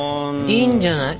いいんじゃない？